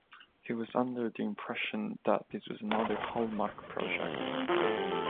He was under the impression that this was another Hallmark project.